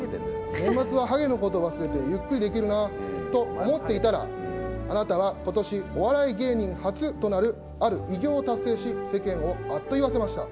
殿堂入り下からもうはげに会いに行くこともないか、年末ははげのことを忘れてゆっくりできるなと思っていたら、あなたはことし、お笑い芸人初となるある偉業を達成し、世間をあっと言わせました。